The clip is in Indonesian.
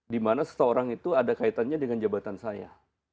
dimana seseorang itu ada kaitannya dengan jabatan saya